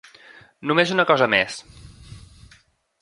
Només una cosa més.